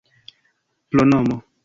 pronomo